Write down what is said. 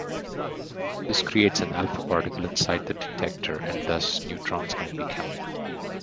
This creates an alpha particle inside the detector and thus neutrons can be counted.